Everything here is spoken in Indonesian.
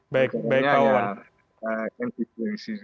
baik baik pak wan